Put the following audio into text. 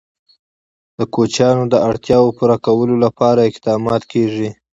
د کوچیانو د اړتیاوو پوره کولو لپاره اقدامات کېږي.